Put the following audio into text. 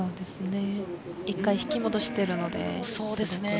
１回、引き戻してるので。